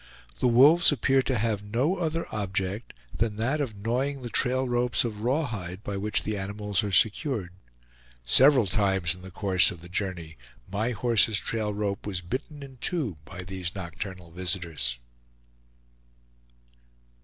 The wolves appear to have no other object than that of gnawing the trail ropes of raw hide by which the animals are secured. Several times in the course of the journey my horse's trail rope was bitten in two by these nocturnal visitors.